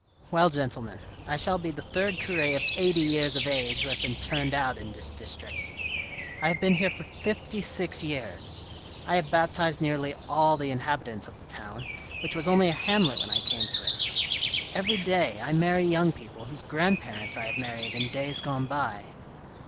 " Well, gentlemen, I shall be the third cure of eighty years of age who has been turned out in this district. I have been here for fifty six years. I have baptized nearly all the inhabitants of the town, which was only a hamlet when I came to it THE POOR FUND n Every day I marry young people whose grandparents I have married in days gone by.